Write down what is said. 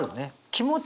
気持ち